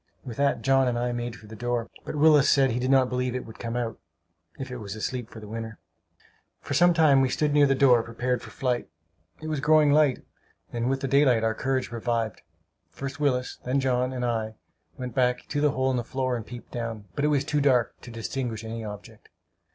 With that John and I made for the door; but Willis said he did not believe it would come out, if it was asleep for the winter. For some time we stood near the door, prepared for flight. It was growing light, and with the daylight our courage revived. First Willis, then John and I, went back to the hole in the floor and peeped down; but it was too dark to distinguish any object.